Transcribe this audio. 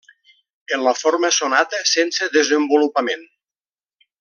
En la forma sonata sense desenvolupament.